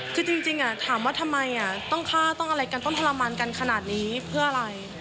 คือจริงถามว่าทำไมต้องฆ่าต้องอะไรกันต้องทรมานกันขนาดนี้เพื่ออะไร